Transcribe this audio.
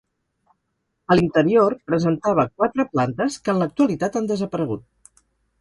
A l'interior presentava quatre plantes que en l'actualitat han desaparegut.